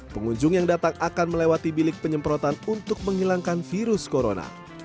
pengunjung yang datang akan melewati bilik penyemprotan untuk menghilangkan virus corona